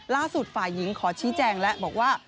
ฝ่ายหญิงขอชี้แจงแล้วบอกว่า